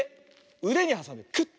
うでにはさんでクッ！